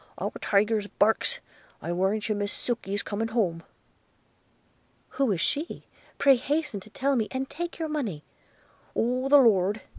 our Tyger barks; I warrant you Miss Sukey is coming home.' 'Who is she? pray hasten to tell me, and take your money.' – 'Oh the Lord!'